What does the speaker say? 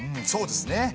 そうですね。